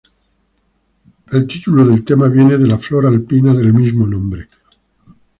El título del tema viene de la flor alpina del mismo nombre.